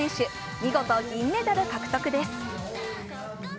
見事銀メダル獲得です。